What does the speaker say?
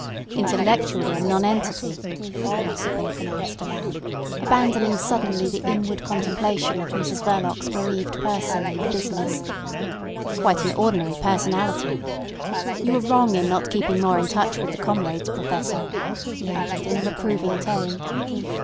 "Intellectually a nonentity," Ossipon pronounced aloud, abandoning suddenly the inward contemplation of Mrs Verloc's bereaved person and business. "Quite an ordinary personality. You are wrong in not keeping more in touch with the comrades, Professor," he added in a reproving tone.